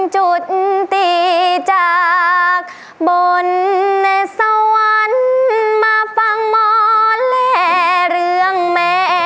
จุดตีจากบนในสวรรค์มาฟังหมอนและเรื่องแม่